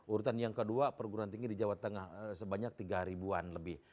urutan yang kedua perguruan tinggi di jawa tengah sebanyak tiga ribuan lebih